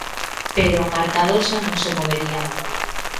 Pero o marcador xa non se movería.